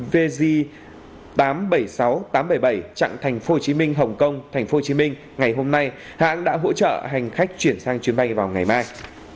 vg tám trăm bảy mươi sáu tám trăm bảy mươi bảy chặng tp hcm hồng kông tp hcm ngày hôm nay hãng đã hỗ trợ hành khách chuyển sang chuyến bay vào ngày mai